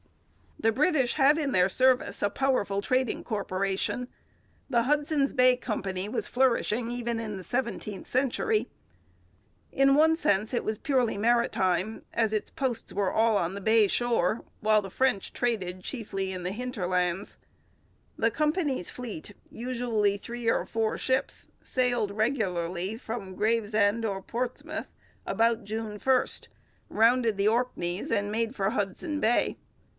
The British had in their service a powerful trading corporation. The Hudson's Bay Company was flourishing even in the seventeenth century. In one sense it was purely maritime, as its posts were all on the Bay shore, while the French traded chiefly in the hinterlands. The Company's fleet, usually three or four ships, sailed regularly from Gravesend or Portsmouth about June 1, rounded the Orkneys and made for Hudson Bay.